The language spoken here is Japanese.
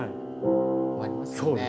終わりますね。